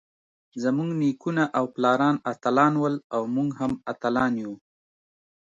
زمونږ نيکونه او پلاران اتلان ول اؤ مونږ هم اتلان يو.